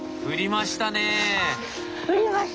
降りましたね。